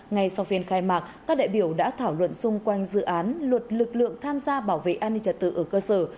ngay sau phiên khai mạc các đại biểu đã thảo luận xung quanh dự án luật lực lượng tham gia bảo vệ an ninh trật tự ở cơ sở